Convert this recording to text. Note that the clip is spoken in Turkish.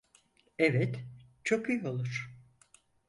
Evet, çok iyi olur.